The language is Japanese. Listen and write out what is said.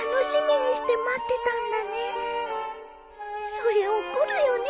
そりゃ怒るよね。